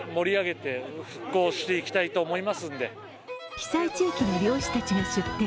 被災地域の漁師たちが出店。